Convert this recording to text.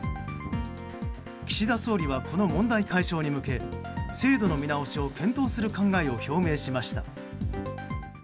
岸田総理は、この問題解消に向け制度の見直しを検討する考えを表明しました。